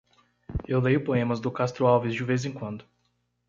Eu leio poemas do Castro Alves de vez em quando.